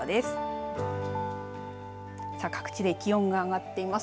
各地で気温が上がっています。